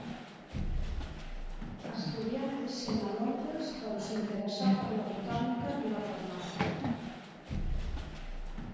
Estudià medicina a Londres però s'interessà per la botànica i la farmàcia.